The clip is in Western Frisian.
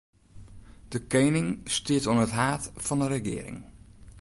De kening stiet oan it haad fan 'e regearing.